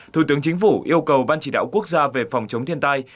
thủ tướng chính phủ yêu cầu ban chỉ đạo quốc gia về phòng chống thiên tai